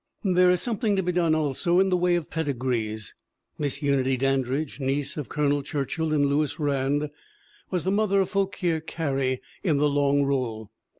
There is something to be done also in the way of pedigrees. Miss Unity Dandridge, niece of Col. Churchill in Lewis Rand, was the mother of Fauquier Cary in The Long Roll.